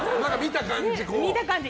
見た感じ。